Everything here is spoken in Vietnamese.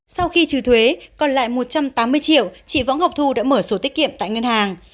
sau khi trừ thuế còn lại một trăm tám mươi triệu chị võng ngọc thu đã mở số tiết kiệm tại ngân hàng